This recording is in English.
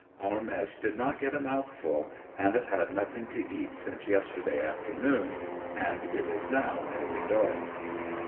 Our mess did not get a mouthful and have had nothing to eat since yesterday afternoon, and it is now nearly dark.